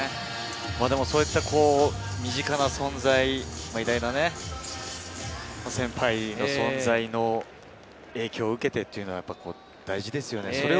そういった身近な存在、偉大な先輩の存在の影響を受けてっていうのは大事ですよね。